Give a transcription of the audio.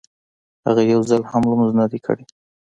هغه يو ځل هم لمونځ نه دی کړی.